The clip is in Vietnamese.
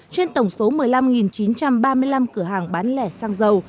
trên tổng số một mươi năm chín trăm ba mươi năm cửa hàng bán lẻ sang giàu